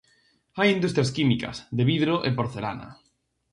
Hai industrias químicas, de vidro e porcelana.